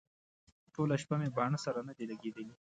ټوله شپه مې باڼه سره نه دي لګېدلي.